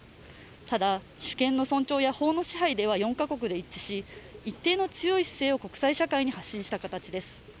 ただ、主権の尊重や法の支配では４カ国で一致し一定の強い姿勢を国際社会に発信した形です。